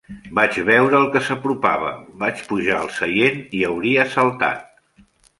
Vaig veure el que s'apropava, vaig pujar al seient i hauria saltat.